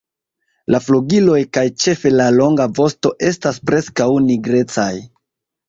La flugiloj kaj ĉefe la longa vosto estas preskaŭ nigrecaj.